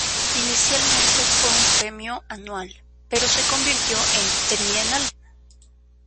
Inicialmente fue un premio anual, pero se convirtió en trienal.